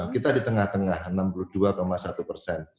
kita di tengah tengah enam puluh dua satu persen